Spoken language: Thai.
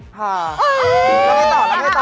ก็ไม่ได้ใกล้กว่ากันเท่าไรนะ